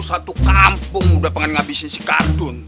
satu kampung udah pengen ngabisin si kardun